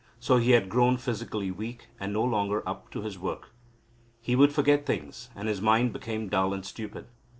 So he had grown physically weak, and no longer up to his work. He would forget things, and his mind became dull and stupid.